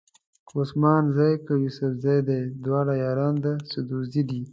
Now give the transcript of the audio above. که عثمان زي که یوسفزي دي دواړه یاران د سدوزي دي.